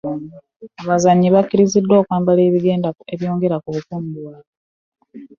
Abazannyi bakkirizibwa okwambala ebyongera ku bukuumi bwabwe.